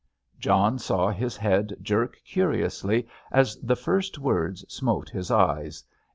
John saw his head jerk curiously as the first words smote his eyes.